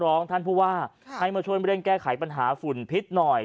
ท่านผู้ว่าให้มาช่วยเร่งแก้ไขปัญหาฝุ่นพิษหน่อย